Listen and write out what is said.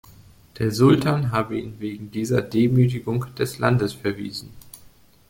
Der Sultan habe ihn wegen dieser Demütigung des Landes verwiesen.